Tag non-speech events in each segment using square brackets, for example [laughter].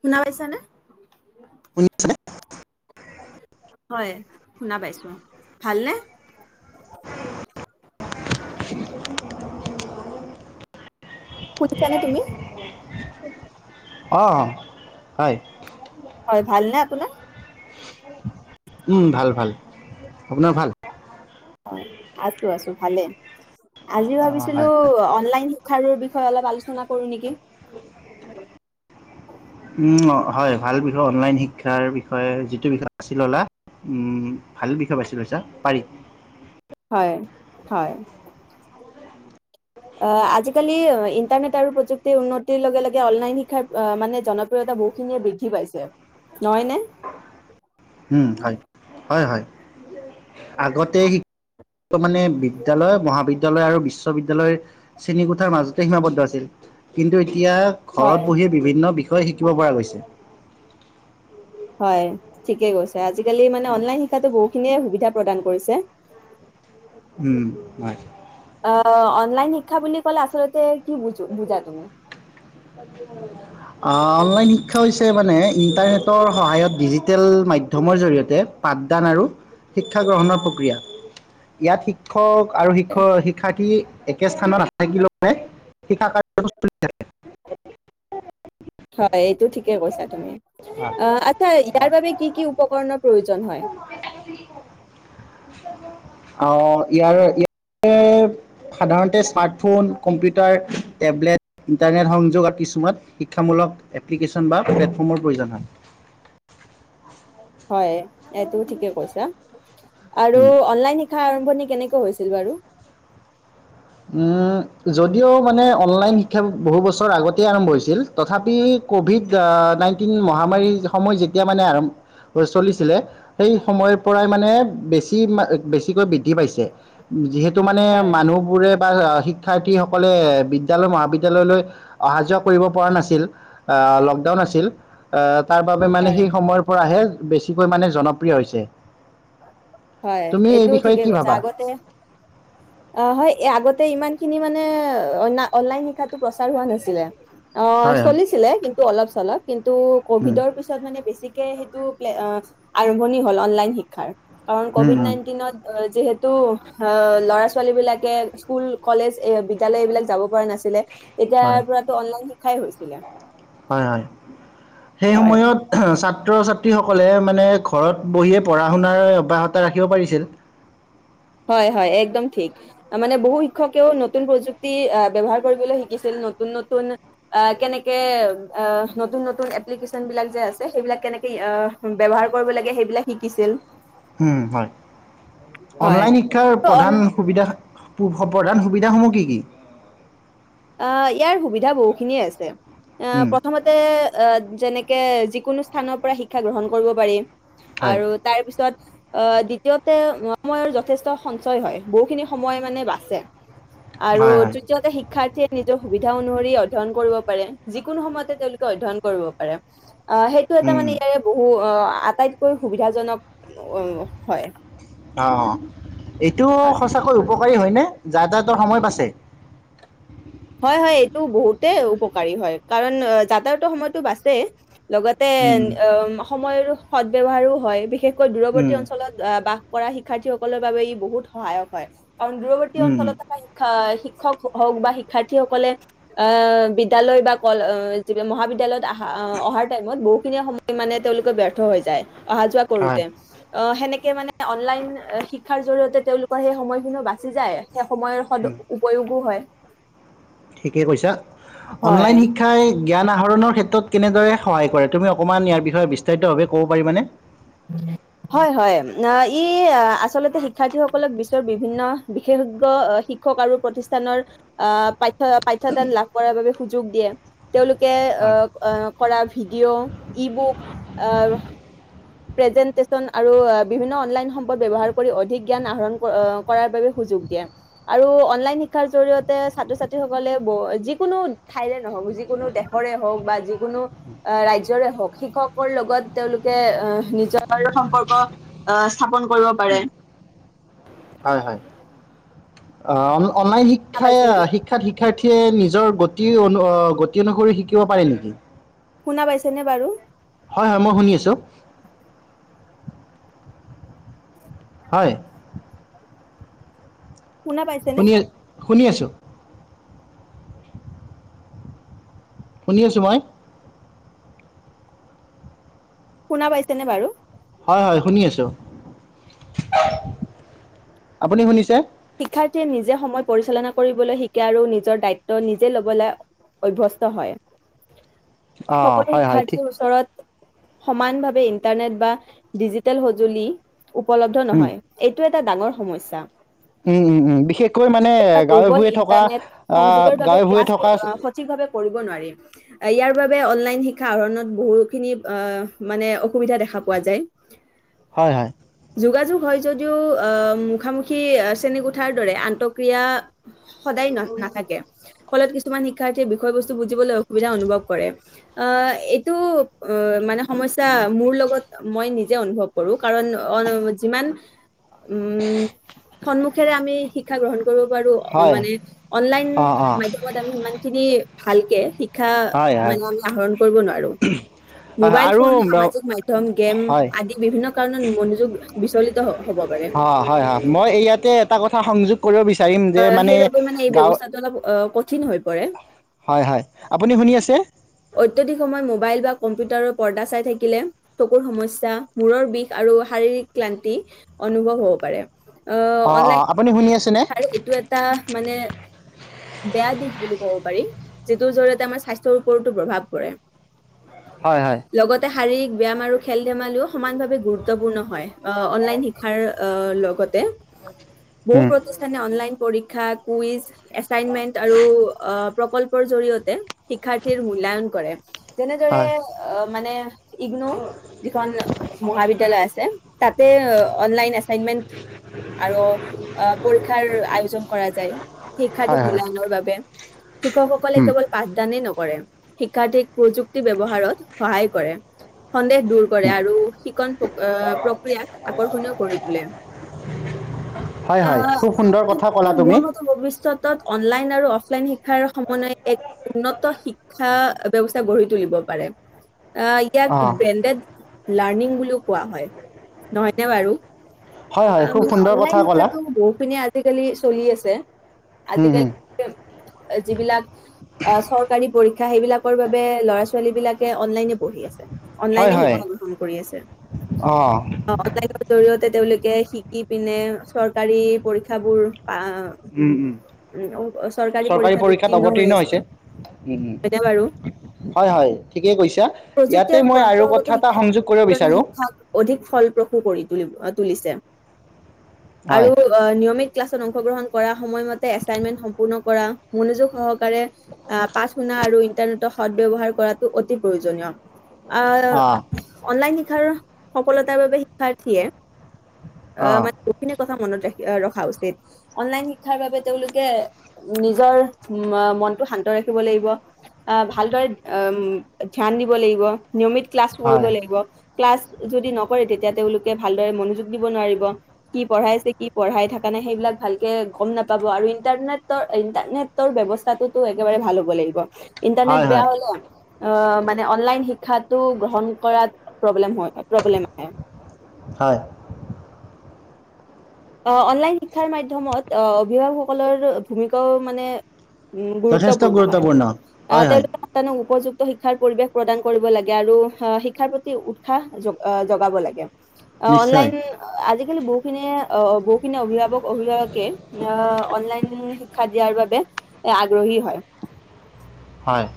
শুনা পাইছানে শুনিছা নে হয় শুনা পাইছোঁ, ভালনে [unintelligible] শুনিছা নে তুমি অঁ হয় হয় ভালনে আপোনাৰ উম ভাল ভাল আপোনাৰ ভাল অ আছোঁ আছোঁ ভালে আজি অঁ ভাবিছিলো হয়। অনলাইন শিক্ষাগুৰুৰ বিষয়ে অলপ আলোচনা কৰোঁ নেকি উম অ হয় ভাল বিষয় অনলাইন শিক্ষাৰ বিষয়ে যিটো বিষয়ে বাছি ললা ভাল বিষয় বাছি লৈছা পাৰি হয় হয় অ আজিকালি ইন্টাৰনেট আৰু প্ৰযুক্তিৰ উন্নতিৰ লগে লগে অনলাইন শিক্ষাৰ মানে জনপ্ৰিয়তা বহুখিনিয়ে বৃদ্ধি পাইছে নহয় নে উম হয়। হয় হয় আগতে মানে বিদ্যালয় মহাবিদ্যা লয় আৰু বিশ্ববিদ্যালয় শ্ৰেণীকোঠাৰ মাজতে সীমাবদ্ধ আছিল কিন্তু এ এতিয়া ঘৰত হয়, বহিয়ে বিভিন্ন বিষয় তই শিকিব পৰা গৈছে হয় ঠিকেই কৈছে। আজিকালি মানে অনলাইন শিক্ষাটো বহুখিনিয়েই সুবিধা থাকে। প্ৰদান কৰিছে। উম হয়। অ অনলাইন শিক্ষা বুলি ক'লে আচলতে কি বুজো বুজা তুমি অনলাইন শিক্ষা হৈছে মানে ইণ্টাৰনেটৰ সহায়ত ডিজিটেল মাধ্যমৰ জৰিয়তে পাঠদান আৰু শিক্ষা গ্ৰহণৰ প্ৰক্ৰিয়া ইয়াত শিক্ষক আৰু শিক্ষক শিক্ষাৰ্থী একে স্থানত নাথাকিলেও [unintelligible] হয় এইটো ঠিকে কৈছা তুমি আচ্ছা ইয়াৰ বাবে কি কি উপকৰণৰ প্ৰয়োজন হয়? ইয় ই সাধাৰণতে স্মাৰ্টফোন কম্পিউটাৰ উটাৰ টেবলেট ইণ্টাৰনেট সংযোগ আৰু কিছুমান শিক্ষামূলক এপ্লিকেশ্যন বা প্লেটফৰ্মৰ প্ৰয়োজন হয়। হয়। এইটো ঠিকে কৈছা আৰু হয় অনলাইন শিক্ষা আৰম্ভণিৰ কেনেকুৱা হৈছে বাৰু? যদিও মানে অনলাইন শিক্ষা বহু বছৰ আগতেই আৰম্ভ হৈছিল তথাপি ক'ভিড নাইণ্টিন মহামাৰীৰ সময় যেতিয়া মানে আৰম্ভ চলিছিলে সেই সময়ৰ পৰাই মানে বেছি বেছিকৈ বৃদ্ধি পাইছে যিহেতু টো মানে হয়, মানুহ শিক্ষাৰ্থীসকলে বিদ্যালয় মহাবিদ্যালয়লৈ অহা যোৱা কৰিব পৰা নাছিল লকডাউন আছিল। তাৰ বাবে মানে হয়, সেই সময়ৰ পৰাহে বেছিকৈ মানে জনপ্ৰিয় হৈছে। হয় তুমি এই এইটো বিষয়ে ঠিকেই কি কৈছে ভাবা? আগতে অ হয় আগতে ইমান খিনি মানে অনলাইন শিক্ষাটো প্ৰচাৰ হোৱা নাছিলে। অ হয় হয় চলিছিলে কিন্তু অলপ চলপ কিন্তু উম কভিডৰ পিছত মানে বেছি। সেইটো আৰম্ভণি হল অনলাইন শিক্ষাৰ কাৰণ উম কভিড উম নাইনটিনত যিহেত তো আহ ল'ৰা ছোৱালী বিলাকে স্কুল কলেজ এ বিদ্যালয় এইবিলাক যাব পৰা নাছিলে। হয় তেতিয়াৰ পৰাতো অনলাইন শ খাই হৈছিলে হয় হয়। সেই হয়। সময়ত ছাত্ৰ ছাত্ৰীসকল লে মানে ঘৰত বহিয়ে পঢ়া শুনা অব্যাহত ৰাখিব পাৰিছিল। হয় হয় একদম ঠিক মানে বহু শিক্ষকেও নতুন প্ৰযুক্তি ব্যৱহাৰ কৰিবলৈ শিকিছিল নতুন- নতুন কেনেকে ই নতুন- নতুন এপ্লিকেচনবিলাক যে আছে সেইবিলাক কেনেকে এ ব্যৱহাৰ কৰিব লাগে সেইবিলাক শিকিছিল। উম হয়। হয় অনলাইন শিক্ষাৰ তো প্ৰধান অন- সুবিধা পু প্ৰধান সুবিধাসমূহ কি কি অ ইয়াৰ সুবিধা বহুখিনিয়ে আছে ছে অ উম, প্ৰথমতে অ যেনেকে যিকোনো স্থানৰ পৰা শিক্ষা গ্ৰহণ কৰিব পাৰি হয় আৰু তাৰ পিছত আহ দ্বিতীয়তে সময়ৰ যথেষ্ট সঞ্চয় হয় বহুখিনি সময় মানে বাচে আৰু হয় হয় তৃতীয়তে শিক নিজৰ সুবিধা অনুসৰি অধ্যয়ন কৰিব পাৰে যিকোনো সময়তে তেওঁলোকে অধ্যয়ন কৰিব পাৰে অ সেইটো এটা উম, মানে ইয়াৰে বহু অ আটাইতকৈ সুবিধাজনক হয় অ এইটো সঁচাকৈ উপকাৰী হয়নে যাতায়াতৰ সময় বাচে হয় হয় এইটো বহুতে উপকাৰী হয় কাৰণ যাতায়তৰ সময়তো বাচেই লগতে হয় অ সময়ৰো সদ ব্যৱহাৰো হয় বিশেষ কৈ দূৰৱৰ্তী উম, অঞ্চলত আ বাস কৰা শিক্ষাৰ্থীসকলৰ বাবে ই বহুত সহায়ক হয় কাৰণ দূৰবৰ্তি অঞ্চলত থকা শিক্ষা শিক্ষক হওঁক বা শিক্ষ শিক্ষাৰ্থীসকলে আহ বিদ্যালয় বা কলে মহাবিদ্যালয়ত আ অহাৰ টাইমত বহুখিনিয়ে সময় মানে তেওঁলোকে ব্যৰ্থ হৈ যায় অহা যোৱা কৰোতে অ সেনেকে মানে অনলাইন শিক্ষাৰ জৰিয়তে তেওঁলোকৰ সেই সময়খিনিও বাচি যায় সেই সময়ৰ সদ উপয়োগো হয় ঠিকেই কৈছা হয় অনলাইন শিক্ষাই জ্ঞান আহৰণৰ ক্ষেত্ৰত কেনেদৰে সহায় কৰে তুমি অকমান ইয়াৰ বিষয়ে বিস্তাৰিত ভাৱে ক'ব পাৰিবা নে হয় হয় ই আচলতে শিক্ষাৰ্থীসকলক বিশ্বৰ বিভিন্ন বিশেষজ্ঞ শিক্ষক আৰু প্ৰতিষ্ঠানৰ আহ পাঠ্যয় পাঠ্য দান লাভ কৰাৰ বাবে সু সুযোগ দিয়ে তেওঁলোকে হয় আহ আহ কৰা ভিডিঅ', ই বুক আহ প্ৰেজেনটেচন আৰু বিভিন্ন অনলাইন সম্পদ ব্যৱহাৰ কৰি অধিক জ্ঞান আহৰণ কৰাৰ বাবে সুযোগ দিয়ে আৰু অনলাইন শিক্ষাৰ জৰিয়তে ছাত্ৰ ছাত্ৰীসকলে যিকোনো ঠাইৰে নহওঁক যিকোনো দেশৰে হওঁক বা যিকোনো ৰাজ্যৰে হওঁক শিক্ষকৰ লগত তেওঁলোকে আহ নিজৰ সম্পৰ্ক আহ স্থাপন কৰিব পাৰে। হোম হয় হয় অ অনলাইন শুনা শিক্ষাই পাইছেনে শিক্ষাত শিক্ষাৰ্থী কে নিজৰ গতি অনু অনুসৰি শিকিব পাৰে নেকি শুনা পাইছে নে বাৰু হয় হয় মই শুনি আছোঁ হয় শুনা পাইছেনে শুনি শুনি আছোঁ শুনি আছোঁ মই শুনা পাইছেনে বাৰু হয় হয় শুনি আছো আপুনি শুনিছে শিক্ষাৰ্থীয়ে নিজে সময় পৰিচালনা কৰিবলৈ শিকে আৰু নিজৰ দায়িত্ব নিজে ল'বলৈ অভ্যস্ত হয় অঁ সকলো হয় হয় ঠিক শিক্ষাৰ্থীৰ ওচৰত সমান ভাৱে ইণ্টাৰনেট বা ডিজিটেল সঁজুলি উপলব্ধ উম, নহয় এইটো এটা ডাঙৰ সমস্যা উম, উম, উম। বিশেষকৈ মানে গাঁৱে দুৰ্বল ভূঞে থকা ইন্টাৰনেট আহ, সংযোগৰ বাবে গাঁৱে ভূঞে ক্লাছ থকা সঠিক ভাৱে কৰিব নোৱাৰিম ইয়াৰ বাবে অনলাইন শিক্ষ শিক্ষা আহৰণত বহুখিনি আহ মানে অসুবিধা দেখা পোৱা যায় হয় হয় যোগোয়োগ হয় যদিও অ মুখামুখি শ্ৰেণীকোঠাৰ দৰে আন্তঃক্ৰিয়া সদায় ন নাথাকে ফলত কিছুমান শিক্ষাৰ্থীয়ে বিষয়ে বস্তু বুজিবলৈ অসুবিধা অনুভৱ কৰে আহ এইটো মানে সমস্যা মোৰ লগত মই নিজে অনুভৱ কৰোঁ কাৰণ অ যিমান। উম সন্মুখেৰে আমি শিক্ষা গ্ৰহণ। কৰিব পাৰো হয় মানে অনলাইন অঁ অঁ মাধ্যমত আমি সিমান খিনি। ভালকে শিক শিক্ষা হয় হয় হয় মানে আমি আহৰণ কৰিব নোৱাৰোঁ হয়। মোবাইল আৰু ফোন ম- সামাজিক মাধ্যম গেম হয় আদি বিভিন্ন কাৰণত মনোযোগ বিচলিত। দহ। অ হয় হয় মই ইয়াত। তেএটা কথা সংযুক্ত কৰিব বিচাৰিম যে আহ, মানে সেইবাবে এই গাঁওত ব্যৱস্থাটো অলপ আহ, কঠিন হৈ পৰে। হয় হয় আপুনি শুনি আছে। অত্যধিক সময় মোবাইল বা কম্পিউটাৰৰ পৰ্দা চাই থাকিলে চকুৰ সমস্যা মূৰৰ বিষ আৰু শাৰীৰিক ক্লান্তি অনুভৱ হ'ব পাৰে। অ অ আপুনি শুনি আছে আৰু এইটো এটা মানে বেয়া দিশ বুলি ক'ব পাৰি, যিটোৰ জৰিয়তে আমাৰ স্বাস্থ্যৰ ওৰতো প্ৰভাৱ পৰে। হয় হয়। লগতে শাৰীৰিক ব্যায়াম আৰু খেল ধেমালিও সমানভাৱে গুৰুত্বপূৰ্ণ হয়। অনলাইন শিক্ষাৰ লগতে। বহু উম অনলাইন পৰীক্ষা তা কুইজ এচাইনমেন্ট আৰু আ প্ৰকল্পৰ জৰিয়তে শিক্ষাৰ্থীৰ মূল্যায়ন কৰে। তেনেদৰে হয় অ মানে ইগ্ন', যিখন মহাবিদ্যালয় আছে তাতে অনলাইন এছাইনমেন্ট আৰু অ পৰীক্ষাৰ আয়োজন কৰা যায়, শিক্ষাৰ্থী হয় হয় মূল্যায়নৰ বাবে। শিক্ষক সকলে উম কেৱল পাঠদানে ন কৰে, শিক্ষাৰ্থীক প্ৰযুক্তি ব্যৱহাৰত সহায় কৰে। সন্দেহ দূৰ কৰে আৰু শিকন প্ৰক্ অ! প্ৰক্ৰিয়াক আকৰ্ষণীয় কৰি তোলে। হয় অ, হয় খুব সুন্দৰ কি কথা ক'লা মোৰ তুমি মতে ভৱিষ্যতত অনলাইন আৰু অফ লাইন শিক্ষাৰ সমন্বয়ে এক উন্নত শিক্ষা ব্যৱস্থা গঢ়ি তুলিব পাৰে। অ অ ইয়াত ব্ৰেনডেড লাৰনিং বুলিও কোৱা হয়। নহয়নে বাৰু? হয় হয়, খুব সুন্দৰ কথা কলা। বহুখিনি আজিকালি চলি আছে। উম আজিকালি উম যিবিলাক অ চৰকাৰী পৰীক্ষা সেইবিলাকৰ বাবে ল'ৰা ছোৱালী বিলাকে অনলাইনে পঢ়ি আছে। হয় অনলাইনে হয় শিক্ষা গ্ৰহণ কৰি আছে। অ অনলাইনৰ জৰিয়ত তেওঁলোকে শিকি পিনে চৰকাৰী পৰীক্ষাবোৰ আ উম উম উম চৰকাৰী পৰীক্ষাত উত্তীৰ্ণ হৈ আছে। হয় উম উম নে বাৰু? হয় হয় ঠিকেই কৈছা প্ৰযুক্তি ইয়াতে আৰু মই পৰম্পৰাগত কথা এটা শিক্ষাৰ সংযোগ কৰিব বিচাৰোঁ শিক্ষাক অধিক ফলপ্ৰসূ কৰি তুলিব তুলিছে। আৰু হয় নিয়মিত ক্লাছ অংশগ্ৰহণ কৰা, সময়মতে এচাইনমেন্ট সম্পূৰ্ণ কৰা, মনোযো অ অ অনলাইন শিক্ষাৰ সফলতাৰ বাবে শিক্ষাৰ্থীয়ে অ মানে মনত ৰাখ ৰখা উচিত অনলাইন শিক্ষাৰ বাবে তেওঁলোকে নিজৰ ম মনটো শান্ত ৰাখিব লাগিব আহ ভালদৰে উম ধ্যান দিব লাগিব নিয়মিত ক্লাছ কৰিব হয় লাগিব ক্লাছ যদি নকৰে তেতিয়া তেওঁলোকে ভালদৰে মনোযোগ দিব নোৱাৰিব। কি পঢ়াইছে কি পঢ়াই থকা নে সেইবিলাক ভালকে গম নাপাব আৰু ইণ্টাৰনেটৰ ইণ্টাৰনেটৰ ব্যৱস্থাটোতো একেবাৰে ভাল হ'ব লাগিব ইণ্টাৰনেট হয় বেয়া হয় হ'লে অ মানে অনলাইন শি শিক্ষাটো গ্ৰহণ কৰাত প্ৰব্লেম হয় প্ৰব্লেম আহে হয় অ অনলাইন শিক্ষাৰ মাধ্যমত অভিভাৱকসকলৰ ভূমিকাও মানে উম যথেষ্ট গুৰুত্বপূৰ্ণ হয় আহ হয় হয় তেওঁলোকে উপযুক্ত শিক্ষাৰ পৰিৱেশ প্ৰদান কৰিব লাগে আৰু শিক্ষাৰ প্ৰতি উৎসাহ জ জগাব লাগে অ নিশ্চয় অনলাইন আজি আজিকালি বহুখিনিয়ে অ বহুখিনি অভিভাৱক অভিভাৱকে অ অনলাইন শি শিক্ষা দিয়াৰ বাবে এ আগ্ৰহী হয় হয়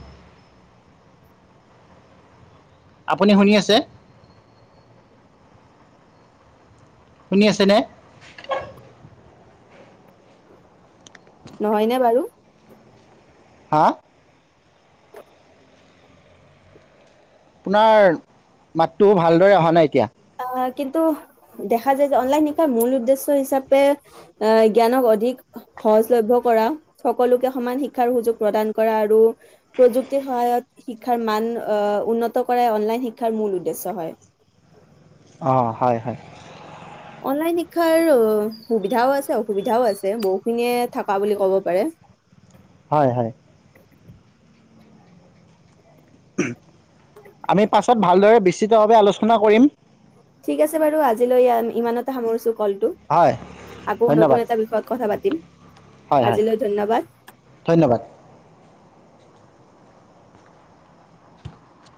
আপুনি শুনি আছে শুনি আছে নে নহয়নে বাৰু হা আপোনাৰ মাতটো ভালদৰে অহা নাই এতিয়া আহ কিন্তু দেখা যায় যে অনলাইন শিক্ষাৰ মূল উদ্দেশ্য হিচাপে জ্ঞানক অধিক সহজলভ্য কৰা সকলোকে সমান শিক্ষাৰ সুযোগ প্ৰদান কৰা আৰু প্ৰযুক্তিৰ সহায়ত শিক্ষাৰ মান আ উন্নত কৰাই অনলাইন শিক্ষাৰ মূল উদ্দেশ্য হয় অ হয় হয় অনলাইন শিক্ষাৰ সুবিধাও আছে অসুবিধাও আছে বহুখিনিয়ে থকা বুলি ক'ব পাৰে হয় হয় উমহ, আমি পাছত ভালদৰে বিস্তৃতভাৱে আলোচনা কৰিম ঠিক আছে বাৰু আজিলৈ ইয়া ইমানতে সামৰিছো কলটো হয়। আকৌ ধন্যবাদ। নতুন এটা বিষয়ত কথা পাতিম হয়, হয়। আজিলৈ ধন্যবাদ ধন্যবাদ।